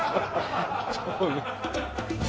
そうね。